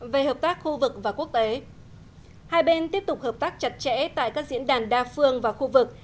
về hợp tác khu vực và quốc tế hai bên tiếp tục hợp tác chặt chẽ tại các diễn đàn đa phương và khu vực